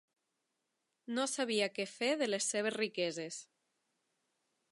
No sabia què fer de les seves riqueses.